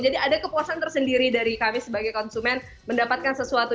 jadi ada kepuasan tersendiri dari kami sebagai konsumen mendapatkan sesuatu